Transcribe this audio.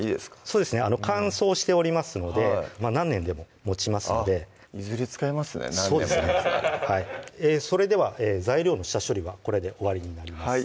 そうですね乾燥しておりますので何年でももちますのでいずれ使いますね何年ももつならそれでは材料の下処理はこれで終わりになります